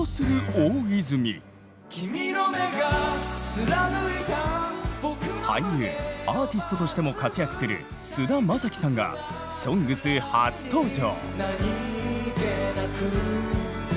続いては俳優アーティストとしても活躍する菅田将暉さんが「ＳＯＮＧＳ」初登場！